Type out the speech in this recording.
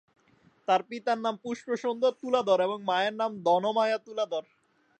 তার পিতার নাম পুষ্প সুন্দর তুলাধর এবং মায়ের নাম ধন মায়া তুলাধর।